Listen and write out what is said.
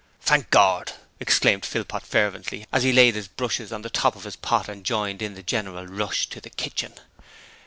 'Thank Gord!' exclaimed Philpot fervently as he laid his brushes on the top of his pot and joined in the general rush to the kitchen.